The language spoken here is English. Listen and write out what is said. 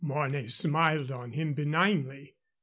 Mornay smiled on him benignly.